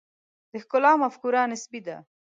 د ښکلا مفکوره نسبي ده.